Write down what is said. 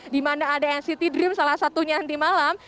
di mana ada nct dream salah satunya nanti malam